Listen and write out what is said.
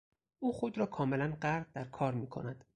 او خود را کاملا غرق در کار میکند.